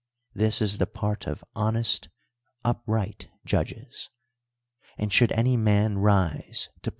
'Huh is the [)art of honest. uf)ri<j li1 jikIl'cs. And should any man rise to ph.'